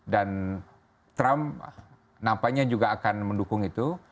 dan trump nampaknya juga akan mendukung itu